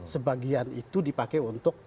sebagian itu dipakai untuk